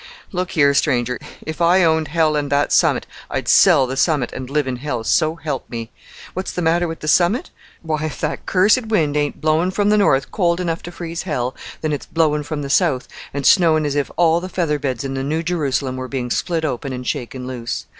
Look here, stranger, if I owned hell and that summit, I'd sell the summit and live in hell, so help me! What's the matter with the summit? Why, if that cursed wind ain't blowing from the north cold enough to freeze hell, then it's blowing from the south and snowing as if all the feather beds in the New Jerusalem were being split open and shaken loose.